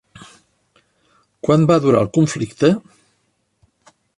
Quant va durar el conflicte?